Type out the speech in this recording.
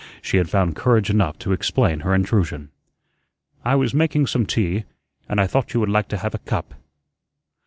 She had found courage enough to explain her intrusion. "I was making some tea, and I thought you would like to have a cup."